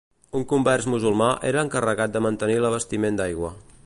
Un convers musulmà era encarregat de mantenir l'abastiment d'aigua.